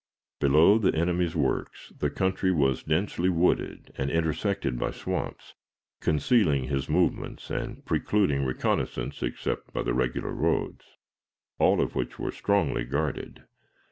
Below the enemy's works the country was densely wooded and intersected by swamps, concealing his movements and precluding reconnaissances except by the regular roads, all of which were strongly guarded.